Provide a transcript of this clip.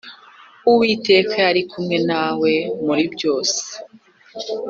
Uwiteka yari kumwe na we muribyose.